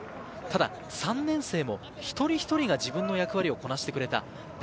ただ３年生も一人一人が自分の役割をこなしてくれた。